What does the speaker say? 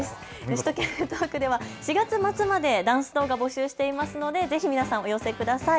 首都圏ネットワークでは４月末までダンス動画を募集していますのでぜひ皆さんお寄せください。